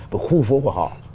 và khu phố của họ